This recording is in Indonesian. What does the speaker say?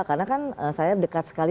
karena kan saya dekat sekali